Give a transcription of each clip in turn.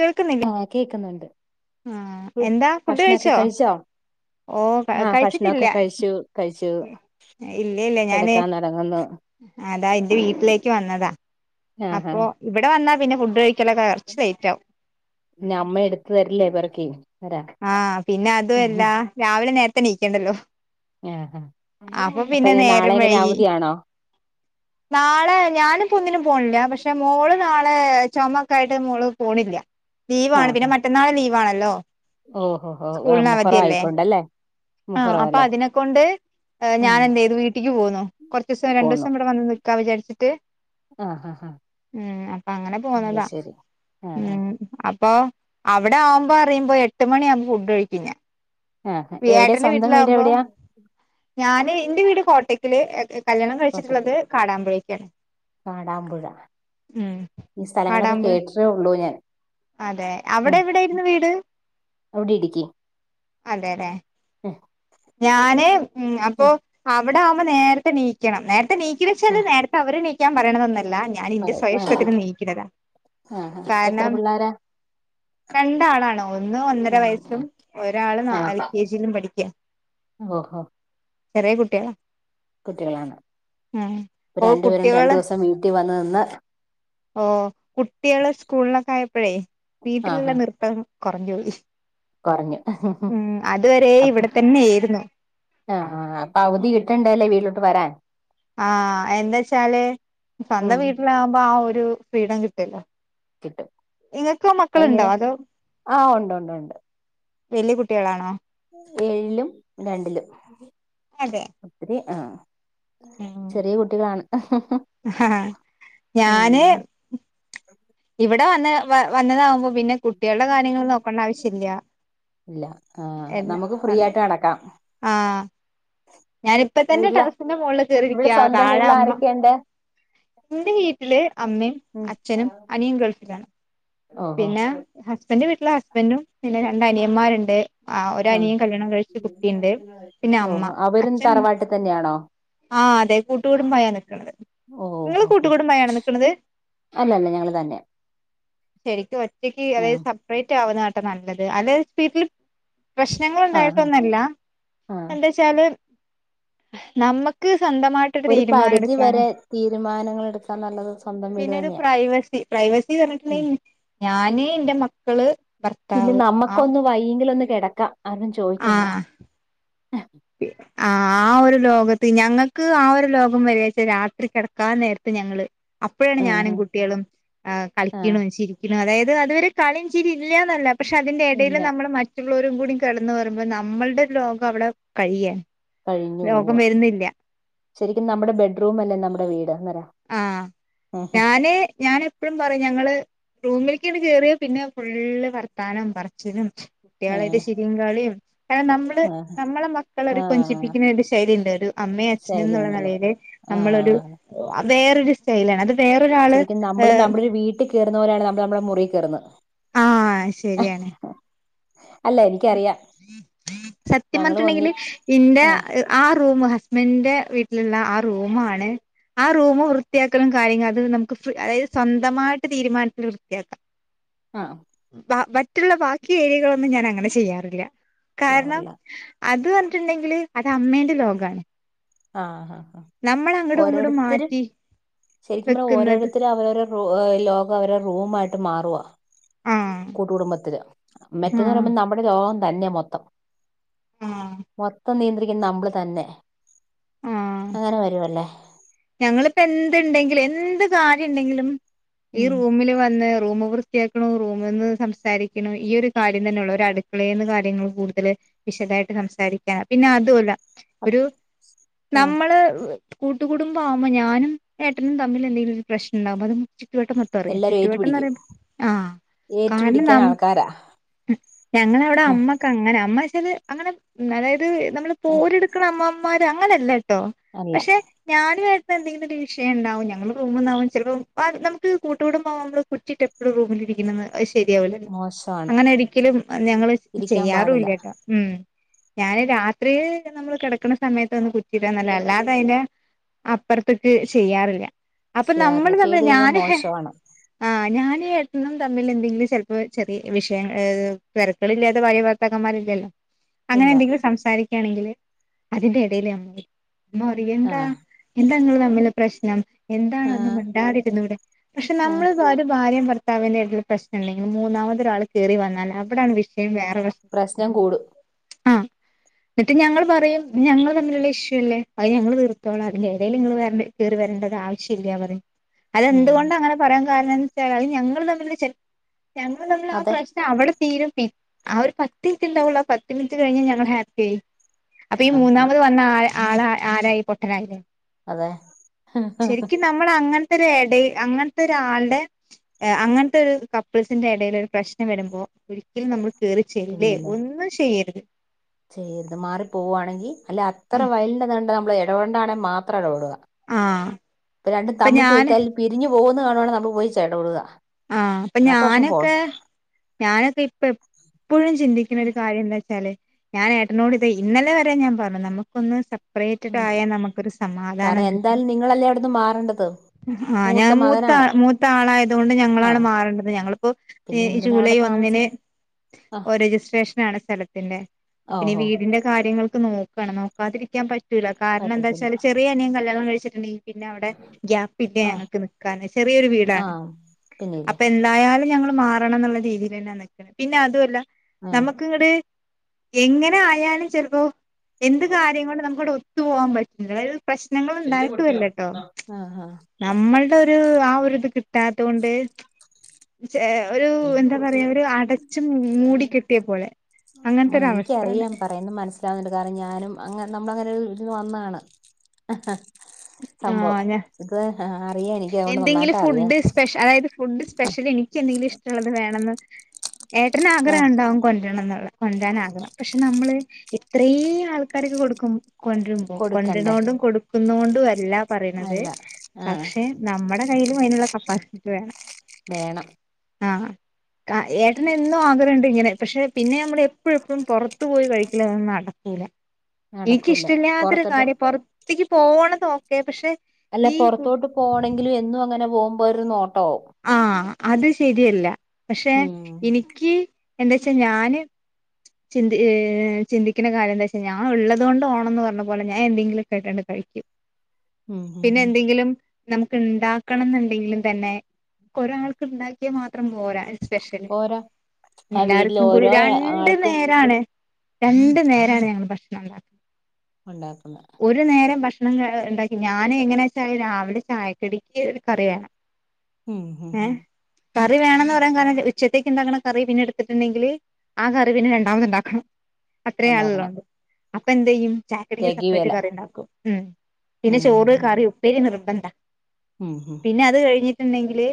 കേൾക്കുന്നില്ലേ ആഹ് കേക്കുന്നുണ്ട് ആ എന്താ ഫുഡ് കഴിച്ചോ ഓ കഴി ആഹ് ഭക്ഷണൊക്കെ കഴിച്ചിട്ടില്ല കഴിച്ചു കഴിച്ചു ഇല്ല ഇല്ല ഞാന് കിടക്കാൻ തുടങ്ങുന്നു അതാ എന്റെ വീട്ടിലേക്ക് വന്നതാ അപ്പൊ ഇവിടെ വന്നാ പിന്നെ ഫുഡ് കഴി പിന്ന അമ്മ എടുത്തു തരില്ലേ പെർക്കി ആഹ് പിന്നെ അതും അല്ല രാവിലെ നേരത്തെണീക്കണ്ടല്ലോ ആ അപ്പൊ നി നാളെ നേരം എങ്ങനെ വൈകി അവധിയാണോ നാളെ ഞാനിപ്പോ ഒന്നിനും പോണില്ല പക്ഷെ മോളു നാളെ ചുമക്കായിയിട്ട് മോള് പോണില്ല ലീവാണ് പിന്നെ മറ്റന്നാളെ ലീവ് ആണല്ലോ? ഓഹോഹോ മുഹറം ആയെക്കൊണ്ടല്ലേ ആഹ് അപ്പ അതിനെക്കൊണ്ട് ഉം ഞാനെന്തെയ്തു വീട്ടിക്ക് പോന്നോ കൊറച്ച് ദിവസം രണ്ടു പോന്നു ദിവസം ഇവിടെ വന്ന് നിക്കാ വിചരിച്ചിട്ട് ആഹ് ആഹ് ഉം അപ്പൊ അങ്ങനെ അത് പോന്നതാ ശരി ആഹ് ഉം അ അപ്പൊ അവിടെ ആവുമ്പോ അറിയുമ്പോ എട്ട് മണിയാവുമ്പോ ഫുഡ് കഴിക്കും ഞാൻ ആഹ് എവിടെയാ ഏട്ടന്റെ സ്വന്തം വീട് വീട്ടിലാകുമ്പോ എവിടെയാ ഞാന് ഇന്റെ വീട് കോട്ടക്കല് കല്യാണം കഴിച്ചിട്ടുള്ളത് കോട്ടയ്ക്കൽ കാടാമ്പുഴക്കാണ് കാടാമ്പുഴ ഉം ഈ സ്ഥലങ്ങളൊക്കെ കാടാമ്പുഴ കേട്ടിട്ടെ ഉള്ളൂ ഞാൻ അതെ അവിടെ എവിടെയിരുന്നു വീട് അവിടെ ഇടുക്കി അതെല്ലെ ഞാന് ഉം അപ്പൊ അവിടെ ആവുമ്പോ നേരത്തെണീക്കണം നേരത്തെ നേരത്തെനീകലെന്നു വെച്ചാല് ആഹ് നേരത്തെ അവരെണീക്കാൻ പറയണതൊന്നു ഞാൻ ഇന്റെ സ്വയം പറയൂ ഇഷ്ടത്തിനെണീ ക്കണതാ ആഹ് ആഹ് എത്ര പിള്ളോരാ രണ്ടാളാണ് ഒന്ന് ഒന്നര വയസ്സും ആഹ് ഒരാള് നാ എൽ കെ ജിയിലും പഠിക്കുക ഓഹ് ഓഹ് ചെറിയ കുട്ടികളാ കുട്ടികളാണ് ഉം ഇപ്പ ഓ രണ്ടുപേരും രണ്ടു കുട്ടികള് ദിവസം വീട്ടിൽ വന്ന് നിന്ന് ഓ കുട്ടികള് സ്കൂളിലൊക്കെ ആയപ്പഴേ വീട്ടിലുള്ള ആഹ് ആഹ് നിർത്തം കുറഞ്ഞ് പോയി കുറഞ്ഞു ഉം അതുവരെ അപ്പ ഇവിടെ തന്നെയായിരുന്നു ആഹ് അപ്പൊ അവധി കിട്ടണ്ടല്ലേ വീട്ടിലോട്ട് വരാൻ ആഹ് എന്താ വച്ചാല് ഉം സ്വന്തം വീട്ടിലാകുമ്പോ ആ ഒരു ഫ്രീഡം കിട്ടോല്ലോ കിട്ടും ഇങ്ങക്ക് മക്കളുണ്ടോ എങ്ങനെ അതോ ആഹ് ഉണ്ട് ഉണ്ട് ഉണ്ട് വലിയ കുട്ടികളാണോ ഏഴിലും രണ്ടിലും അതെ ഒത്തിരി ആ ഉം ചെറിയ കുട്ടികളാണ് ഞാന് ഉം ഇവിടെ വന്ന വ വന്നതാകുമ്പോൾ പിന്നെ കുട്ടികളുടെ കാര്യങ്ങൾ നോക്കണ്ട ആവശ്യം ഇല്ല ഇല്ല ആ നമുക്ക് ഫ്രീ ആയിട്ട് നടക്കാം ആ ഞാനിപ്പ തന്റെ വീട്ടില് ടെറസിന്റെ മുകളില് ഇവിടെ കേറിരിക്കാ സ്വന്തം താഴെ വീട്ടിൽ അമ്മ ആരൊക്കെയുണ്ട് എൻ്റെ വീട്ടില് അമ്മയും ഉം അച്ഛനും അനിയൻ ഗൾഫിലാണ് ഓഹോ പിന്നെ ഹസ്ബന്റെ വീട്ടില് ഹസ്ബൻഡും പിന്നെ രണ്ട് അനിയന്മാരുണ്ട് ആ ആഹ് ഒരനിയൻ കല്യാണം കഴിച്ചു കുട്ടിയുണ്ട് പിന്നെ അമ്മ അച്ചൻ നാട്ട് തന്നെയാണോ ആ അതെ കൂട്ടുകുടുംബായാണ് നിക്കുന്നത് നിങ്ങള് ഓഹോ ഹോ കൂട്ടുകുടുംബായാണ് നിക്കുന്നത് അല്ലല്ല ഞങ്ങള് തന്നെ ശരിക്കും ഒറ്റക്ക് അതായത് ആഹ് സെപ്പറേറ്റ് ആവുന്ന കേട്ട നല്ലത് അല്ല സ്പീട്ടിൽ ആഹ് പ്രശ്നങ്ങളുണ്ടായിട്ടൊന്നല്ല ആഹ് എന്താ വച്ചാല് നമ്മക്ക് സ്വന്തമായിട്ട് ഒരു തീരുമാനം പരിധി എടുക്കാനും വരെ തീരുമാനങ്ങൾ എടുക്കാൻ നല്ലത് സ്വന്തം വീട് പിന്നെ ഒരു തന്നെയാ പ്രൈവസി പ്രൈവസി ഉം പറഞ്ഞിട്ടുണ്ടെിൽ ഞാന് എൻറെ മക്കള് പിന്നെ ഭർത്താവ് ആ നമ്മക്കൊന്ന് വയ്യെങ്കില് ഒന്ന് കിടക്കാം അവരും ചോദിക്കണ്ട ആ ആ ഒരു ലോകത്ത് ഞങ്ങക്ക് ആ ഒരു ലോകം വരിച്ച രാത്രി കിടക്കാൻ നേരത്ത് ഞങ്ങള് അപ്പോഴാണ് ഞാനും ആഹ് കുട്ടികളും ആഹ് കളിക്കണും ചിരിക്കണും അതായത് അതുവരെ കളിയും ചിരി ഇല്ലന്നല്ല പക്ഷെ അതിന്റെ ഇടയിൽ ഇല്ല നമ്മള് മറ്റും മ്മൾ ഓരും കൂടി കിടന്ന് പറയുമ്പോ നമ്മളുടെ ലോകം അവിടെ കഴിയാ കഴിഞ്ഞു പോവ ശരിക്കും നമ്മുടെ ബെഡ്റൂം അല്ലേ നമ്മുടെ വീട്ന്നരാ ആ ഞാന് ഞാൻ എപ്പഴും പറയും ഞ റൂമിലേക്കാണ് കേയറിയ പിന്നെ ഫുള്ള് വർത്താനം പറച്ചിലും കുട്ടികളായിട്ട് ആഹ് ശെരിങ്കളിയും കാരണം നമ്മള് ആഹ് നമ്മളെ മക്കള അവര് ആഹ് കൊഞ്ചിപ്പിക്കുന്ന ഒരു ശൈലി ഉണ്ട് ഒരു അമ്മയും അച്ഛനും എന്നുള്ള നിലയില് നമ്മളൊരു ആ വേറൊരു സ്റ്റൈല് ആണ് അത് വേറൊരാള് ശരിക്കും നമ്മള് നമ്മുടെ ഒരു വീട്ടിൽ കയറുന്ന പോരെയാണ് നമ്മള് നമ്മുടെ മുറിയിൽ കയറുന്നത് ആ ശരിയാണ് അല്ല എനിക്കറിയാം സത്യം ഞങ്ങളും ഒന്ന് പറഞ്ഞിട്ടുണ്ടെങ്കില് ഇന്റെ ആഹ് ആ റൂം മ്മന്റെ വീട്ടിലുള്ള ആ റൂമാണ് ആ റൂമ് വൃത്തിയാക്കലും കാര്യങ്ങളും അത് നമുക്ക് അതായത് സ്വന്തമായിട്ട് തീരുമാനത്തിൽ വൃത്തിയാക്കാം ആഹ് മറ്റുള്ള ബാക്കി ഏരിയകളൊന്നും ഞാൻ അങ്ങനെ ചെയ്യാറില്ല കാരണം ചെയ്യാറില്ല അത് പറഞ്ഞിട്ടുണ്ടെങ്കില് അത് അമ്മേന്റെ ലോകാണ് ആ ആ നമ്മളെ അങ്ങട് ഉങ്ങടും മാറ്റി ശരിക്കും പറഞ്ഞ വെക്കുന്നത് ഓരോരുത്തരും അവരടെ റ ലോകം അവരുടെ റൂമായിട്ട് മാറുവാ ആഹ് കൂട്ടുകുടുംബത്തില് മറ്റേത് ആഹ് പറയുമ്പോ നമ്മുടെ രോഗം തന്നെ മൊത്തം മൊത്തം നിയന്ത്രിക്കുന്ന നമ്മള് തന്നെ ആഹ് അങ്ങനെ വരുവല്ലേ ഞങ്ങളിപ്പോ എന്തുണ്ടെങ്കിലും എന്ത് കാര്യം ഉണ്ടെങ്കിലും ഈ ഉം റൂമില് വന്ന് റൂം വൃത്തിയാക്കുണു റൂമന്ന് സംസാരിക്ക്ണു ഈ ഒരു കാര്യം തന്നെ ഉള്ളൂ ഒരു അടുക്കളേന്ന് കാര്യങ്ങൾ കൂടുതല് വിശദായിട്ട് സംസാരിക്കാ പിന്നെ അതുഅല്ല ഒരു ആഹ് നമ്മള് കൂട്ടു കുടുംബ ആവുമ്പോ ഞാനും ഏട്ടനും തമ്മിൽ എന്തെങ്കിലും പ്രശ്നംണ്ടാവും ചുറ്റുവട്ടം മൊത്തം അറിയും എല്ലാരും ഏറ്റുപിടിക്കും ചുറ്റുവട്ടംന്ന്റയു ആ കാരണം ഏറ്റുപിടിക്കാൻ നാം ആൾക്കാരാ ഞങ്ങളവിടെ അമ്മക്ക് അങ്ങനെ അമ്മ ല് അങ്ങനെ അതായത് നമ്മള് പോരെടുക്ക്ണ അമ്മമാര് അങ്ങനെല്ലട്ടോ അല്ല പക്ഷെ [unintelligible] വായിട്ടു എന്തെങ്കിലും ഒരു വിഷയംണ്ടകും ഞങ്ങള് റൂമ്ന്നാവും ചിലപ്പോ നമുക്ക് കൂട്ടൂടുംബം ആകുമ്പോൾ കുറ്റിട്ട് റൂമിലിരിക്കണന്ന് അഷ് ശരിയാവുല മോശമാണ് അങ്ങനെ ഒരിക്കലും ഞങ്ങള് ഇരിക്കാൻ പാടില്ല ചെയ്യാറുംല്ലേട്ടോ ഉം ഞാന് രാത്രി നമ്മള് കിടക്കുന്ന സമയത്ത് ഒന്ന് കുറ്റിടാ അല്ലാതെ അതിന് അപ്പുറത്ത്ക്ക് ചെയ്യാറില്ല അപ്പൊ നമ്മൾ ചെയ്യാറില്ല തമ്മി ചെയ്ത് കഴിഞ്ഞാ ഞാന് മോശമാണ് ആ ഞാന് ഏട്ടനും തമ്മിൽ എന്തെങ്കിലും ചിലപ്പോ ചെറിയ വിഷയം ഏഹ് തിരക്കാള് ഇില്ലാത്ത ഭാര്യഭർത്താക്കന്മാരില്ലല്ലോ അങ്ങനെ ഇല്ല എന്തെങ്കിലും സംസാരിക്കയാണെങ്കില് അതിന്റെ എടീല് അമ്മ അമ്മ പറീം എന്താ ആഹ് എന്താ ങ്ങള് തമ്മില് പ്രശ്നം എന്താണ് ഒന്നു ആഹ് മിണ്ടാതിരുന്നൂടെ പക്ഷെ ആഹ് നമ്മള് ഒരു ഭാര്യ ഭർ ത്താവിന്റെറ്റുള്ള പ്രശ്നംണ്ടെങ്കിൽ മൂന്നാമത് ഒരാൾ കേറി വന്നാൽ അവിടാണ് വിഷയം വേ പ്രശ്നം കൂടും ആഹ് ന്നിട്ട് ഞങ്ങൾ പറയും ഞങ്ങൾ തമ്മിലുള്ള ഇഷ്യൂ അല്ലേ അത് ഞങ്ങൾ തീർ തോള അതിൻ്റെടീൽ ങ്ങള് വരണ്ടേ കയറി വരണ്ട ആവശ്യമില്ല പറയും ഉം അതെന്തുകൊണ്ട് അങ്ങനെ പറയാൻ കാരണം ന്ന്ച്ചാൽ അ ഞങ്ങൾ തമ്മിൽ ചെ ഞങ്ങൾ തമ്മിൽ ആ അതെ പ്രശ്നം അവിടെ തീരും പി ആ ഒരു പത്ത് മിനിറ്റ്ണ്ടാവുള്ളൂ ആ പത്ത് മിനിറ്റ് കഴിഞ്ഞ ഞങ്ങൾ ഹാപ്പി ആയി അപ്പൊ ഈ ആഹ് മൂന്നാമത് വന്ന ആ ആള് ആ ആരായി പൊട്ടനായി അതെ ശരിക്കും നമ്മൾ അങ്ങനത്തെ ഒരു എടയ് അങ്ങൻത്തെ ഒരാൾടെ അങ്ങൻത്തെ ഒരു കപ്പിൾസിന്റെ ഇടയിൽ ഒരു പ്രശ്നം വരുമ്പോ ഒരിക്കലും നമ്മൾ കേറിച്ചെല്ലേ പിന്നില്ല ഒന്നും ചെയ്യരുത് ചെയ്യരുത് മാറി പോവാണെങ്കി അല്ല അത്ര വയലി നണ്ട് നമ്മള് ഇടപെടണ്ടാണെങ്കിൽ മാത്രം ഇടപെട ആ ഇ രണ്ടും ഇപ്പൊ തമ്മിൽ ഞാന് തീർത്താൽ പിരിഞ്ഞു പോകുന്ന കാണുവാണെ നമ്മൾ പോയി ചേട ഉള്ളുകാ ആഹ് അപ്പൊ ഞാനൊക്കെ ഞാനൊക്കെ ഇപ്പ എപ്പോഴും ചിന്തിക്കുന്ന ഒരു കാര്യം എന്താച്ചാല് ഞാൻ ഏട്ടനോട് ഇത് ഇന്നലെ വരെ ഞാൻ പറഞ്ഞു നമുക്കൊന്ന് സെപ്രേറ്റഡ് ആയാ നമുക്കൊരു സമാധാനം കാരണം കിട്ടും. എന്തായാലും നിങ്ങളല്ലേ അവിടുന്ന് മാറേണ്ടത് ആഹ് ഞാൻ മൂത്ത മൂത്ത ആളായതുകൊ ണ്ട് ഞങ്ങളാണ് ആഹ് മാറേണ്ടത് ഞങ്ങളിപ്പോ പിന്നെ ഈ എന്തിനാ ജൂലൈ അവിടെ ഒന്നിന് താമസിക്കും ആഹ് ഓ രജിസ്ട്രേഷനാണ് സ്ഥലത്തിന്റെ അപ്പൊ ഞ്ഞി ഓഹോ വീടിന്റെ കാര്യങ്ങൾക്ക് നോ ക്കാണ് നോക്കാതിരിക്കൻ പറ്റൂല്ല കാരണം പറ്റത്തില്ല എന്താച്ചാല് ചെറിയനിയം കല്യാണം കഴിച്ചിട്ടുണ്ട് പിന്നെ അവിടെ ഗ്യാപ്പ് ഇല്ല ആഹ് ഞങ്ങക്ക് നിക്കാന് ചെറിയൊരു വീടാണ് പിന്നില്ലേ അപ്പൊ എന്തായാലും ഞങ്ങൾ മാറണം ന്നുള്ള രീതി തന്നെയാ നിക്ക്ണ് പിന്നെ അതുമല്ല ആഹ് നമ്മക്ക് ഇങ്ങ്ട് എങ്ങനെ ആയാലും ചെലപ്പോ എന്ത് കാര്യം കൊണ്ട് നമുക്കിവിടെ ഒത്തു പോവാൻ പറ്റുല്ല പ്രശ്നങ്ങൾ ഉണ്ടായിട്ടുവല്ലട്ടോ ആഹ് ആഹ് നമ്മൾടെ ഒരു ആ ഒരുത് കിട്ടാ തൊണ്ട് ഏഹ് ഒരു എന്താ പറയാ ഒരുഅടച്ചു മൂടി കെട്ടിയപ്പോലെ എനിക്കറിയാം പറയുന്നത് മനസ്സിലാവുന്ന്ണ്ട് കാരണം ഞാനും അങ്ങ നമ്മളങ്ങനൊരു ഇ വന്നാണ് ആ ഞാ അതുകൊണ്ട് എന്തെങ്കിലും നന്നായിട്ട് അറിയാം ഫുഡ് സ്പെഷ അതായത് ഫുഡ് സ്പെഷ്യൽ എനിക്ക് എന്തെങ്കിലും ഇഷ് ട്ടള്ളത് വേണെന്ന് ഏട്ടന് ആഹ് ആഗ്രഹം ണ്ടാവും കൊണ്ടണന്ന് കൊണ്ടാനാകണം പക്ഷെ നമ്മൾ ഇത്രീം ആൾക്കാർക്ക് കൊടുക്കും കൊണ്ടരുമ്പോ കൊടുക്കണ്ടേ കൊണ്ടനോടും കൊടുക്കുന്നോണ്ടും അല്ല പറയണുന്നത് അല്ല ആഹ് പക്ഷെ നമ്മുടെ കയ്യിൽ അതിനുള്ള കപ്പാസിറ്റി വേണം വേണം ആ ഏട്ടന് എന്നും ആഗ്രഹമുണ്ട് ഇങ്ങനെ പക്ഷെ പിന്നെ നമ്മള് എപ്പോഴും എപ്പോഴും പുറത്ത് പോയി കഴിക്കലതൊന്നും നടക്കില്ല നടക്കൂല എനിക്കിഷ്ടില്ലാത്തൊരു പൊറത്തോട്ട് കാര്യം പുറത്തേക്ക് പോണത് ഓക്കേ പക്ഷെ അല്ല ഈ കു പോറത്തോട്ട് പോണമെങ്കി എന്നും അങ്ങനെ പോകുമ്പോ അതൊരു നോട്ടോമാവും ആഹ് അത് ശരിയല്ല പക്ഷെ എനിക്ക് എന്താ വച്ചാ ഞാന് ചിന്തിഏ ചന്തിക്കുന്ന കാര്യ എന്താ ചി ചി ചിന്തികണാ കാര്യം വെച്ചാ ഞൾ ഉള്ളത കൊണ്ട് ഓണംന്ന് പറഞ്ഞ പോലെ ഞാൻ എന്തെങ്കിലും കേട്ടണ്ട [inaudible] ഉം ഹ് പിന്നെ ഹ് നമുക്ക് ഇണ്ടാക്കണം എന്നുണ്ടെങ്കിലും തന്നെ ഒരാരാൾക്ക് ഉണ്ടാക്കിയാൽ മാത്രം പോരാ സ്പെഷ്യല് പോരാ ആ വീട്ടിൽ എല്ലാർക്കും കൂടി ഓരോ രണ്ട്‌ ആൾക്കും നേരാണ് രണ്ടു നേരാണ് ഞങ്ങള് ഭക്ഷണം ഉണ്ടാക്കുന്ന ഒരു നേരം ഭക്ഷണം ഉണ്ടാക്കി ഞാൻ എങ്ങനെയാചാല് രാവിലെ ചായക്കടിക്ക് കറി വേണം ഉം ഹ് ഹ് ഏഹ് കറി വേണന്ന് പറയാൻ കാരണം ഉച്ചത്തേക്ക് ഉണ്ടാക്കണ കറി പിന്നെ എടുത്തിട്ടുണ്ടെങ്കിൽ ആ കറി പിന്നെ രണ്ടാമത് ഉണ്ടാക്കണം അത്ര ആള് ഉണ്ടാക്കണം ള്ളോണ്ട് അപ്പൊ എന്തെയ്യും ചാക്കടിക്ക് സെപ്പറേറ്റ് തികയുവേല കറി ഉണ്ടാക്കും ഉം പിന്നെ ഉം ചോറ് ഉം കറി ഉപ്പേരി നിർബന്ധ ഉം പിന്നെ അത് കഴിഞ്ഞി ട്ട്ണ്ടെങ്കില്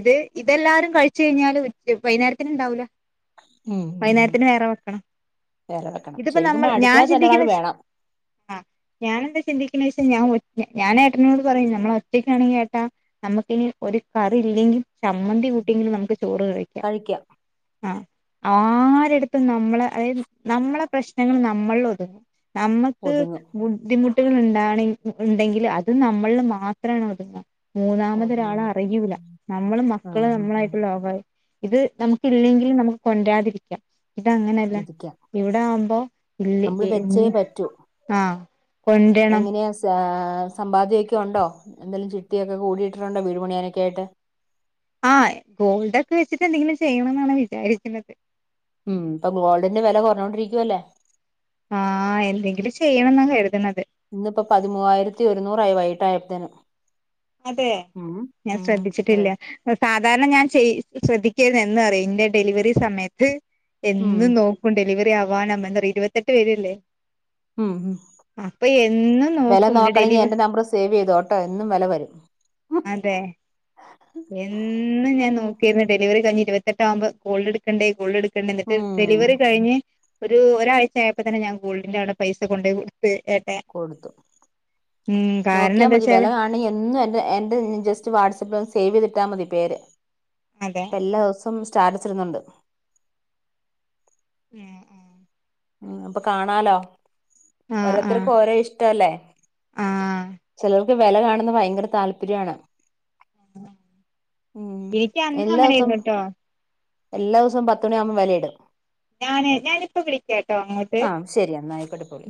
ഇത് ഇതെല്ലാരും കഴിച്ച് കഴിഞ്ഞാല് വൈകുന്നേരത്തിന് ഉണ്ടാവൂല ഉം ഉം ഉം വൈന്നേരത്തിന് വേറെ വെക്കണം വേറെ വെക്കണം ഇതിപ്പോ ശരിക്കും നമ്മള് ഞാൻ അടുക്കളയിൽ തന്നെ ഒരാൾ ചിന്തിക്കുന്ന വേണം ആ ഞാൻ എന്താ ചിന്തിക്കണേ വെച്ച ഞാൻ ഒറ്റ ഞാൻ ഏട്ടനോട് പറയും നമ്മളൾ ഒറ്റയ്ക്കാണെങ്കിൽ ഏട്ടാ നമുക്കിനി ഒരു കറി ഇല്ലെങ്കിൽ ചമ്മന്തി കൂട്ടിയെങ്കിലും നമുക്ക് ചോറ് കഴിക്കാം കഴിക്കാൻ ആ ആരടുത്തും നമ്മളെ അതായത് നമ്മളെ പ്രശ്നങ്ങൾ നമ്മളിൽ ഒതു നമ്മുക്ക് ഒതുങ്ങും ബുദ്ധിമുട്ടി ട്ടുകൾ ഇണ്ടാവാണെങ്കി ഇണ്ടെങ്കിൽ അത് നമ്മളിൽ മാത്രാണ് ഒതുങ്ങ ഒതുങ്ങുന്ന മൂന്നാമതൊരാളറിയൂല്ല നമ്മളും മക്കള് ആഹ് ആഹ് ആഹ് നമ്മളായിട്ട് ലോകായി ഇത് നമുക്ക് ഇല്ലെങ്കിലും നമുക്ക് കൊണ്ടരാതിരിക്കാം ഇത അങ്ങനെയല്ല ഇരിക്കാം ഇവിടെ ആവുമ്പോ ഇല്ലെ നമ്മള് വെച്ചേ ഉള്ളു പറ്റൂ ആ എങ്ങനെയാ സാ - സമ്പാദ്യൊക്കെ ഉണ്ടോ എന്തേലും ചിട്ടിയൊക്കെ കൂടിയിട്ടിട്ടുണ്ടോ വീട്പണിയാനൊക്കെ ആയിട്ട് ആ ഗോൾഡൊക്കെ വെച്ചിട്ട് എന്തെങ്കിലും ചെയ്യണം എന്നാണ് വിചാരിക്കുന്നത് ഉം ഇപ്പൊ ഗോൾഡിന്റെ വില കുറഞ്ഞോണ്ടിരിക്കുവല്ലേ ആ എന്തെങ്കിലും ചെയ്യണം എന്ന കരുതുന്നത് ഇന്നിപ്പോ പതിമൂവായിരത്തി ഒരുന്നൂറായി വൈകിട്ടായപ്പത്തെനും അതെ ഞാൻ ശ്രദ്ധിച്ചിട്ടില്ല അതെ സാധാരണ ഞാൻ ചെയ്യ് ശ്രദ്ധിക്കേരുത് എന്നാന്ന് അറിയുവോ ഇന്റെ ഡെലിവറി സമയത്ത് ഉം എന്നും നോക്കും ഡെലിവറി ആവനാം അങ്ങൻതെ ഇരുപത്തെട്ട് വരല്ലേ ഉം ഉം പ്പ എൻ വില നോക്കണമെങ്കി എന്റെ നമ്പർ സേവ് ചെയ്തോട്ടോ എന്നും വില വരും അതെ എന്നും ഞാൻ നോക്കിയിരുന്നു ഡെലിവറി കഴിഞ് ഇരുപത്തെട്ടാകുമ്പോൾ ഗോൾഡ് എടുക്കണ്ടേ ഗോൾഡ് എടുക്ക ണ്ട എന്നിട്ട് ഉം ഡെലിവറി കഴിഞ്ഞ് ഒരു ഒരാഴ്ചയപ്പോ തന്നെ ഞാൻ ഗോൾടിന്റെ അവ്ട പൈസ കൊണ്ടോയി കൊടുത്തു കൊടുത്തു ഉം കാരണം നോക്കിയാൽ എന്താ മതി വെല വെച്ചാല് കാണ്ണെങ്കിൽ എന്നും എന്റെ എന്റെ ജസ്റ്റ് വാട്സആപ്പിൽ സേവ് ചെയ്തിട്ടാ മതി പേര് അതെ ഇപ്പ എല്ലാ ദിവസോ സോം സ്റ്റാറ്റസ് ഇടുന്നുണ്ട് ഉം ഉം ഉം അപ്പൊ കാണാലോ ആഹ് ഓരോത്തർക്കും ഓരോ ഇഷ്ടല്ലേ ആഹ് വല കാണുന്നത് ഭയങ്കര താല്പര്യാണ് ഉം എനിക്ക് അന്നും എല്ലാ ദിവസോം അങ്ങനെയായിരുന്നുട്ടോ എല്ലാ ദിവസോം പത്ത് മണിയാവുമ്പ വലയിടും ഞാന് ഞാനിപ്പ വിളിക്കാട്ടോ അങ്ങോട്ട് ആഹ് ശരി എന്നാ ആയിക്കോട്ടെ ഇപ്പോ വിളി